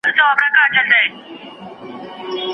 د سیوري او رڼا جګړې ته